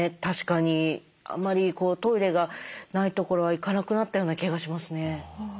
確かにあまりトイレがない所は行かなくなったような気がしますね。